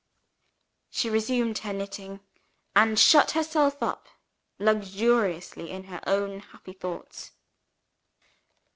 She resumed her knitting, and shut herself up luxuriously in her own happy thoughts.